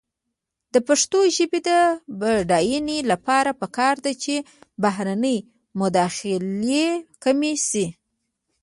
د پښتو ژبې د بډاینې لپاره پکار ده چې بهرنۍ مداخلې کمې شي.